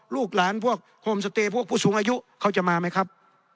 ลูกหลานพวกโฮมสเตย์พวกผู้สูงอายุเขาจะมาไหมครับ